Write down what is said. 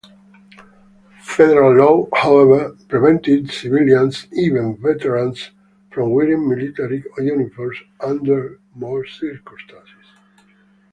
Federal law, however, prevented civilians, even veterans, from wearing military uniforms under most circumstances.